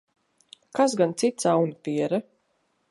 Kas gan cits, aunapiere?